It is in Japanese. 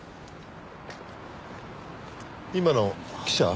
今の記者？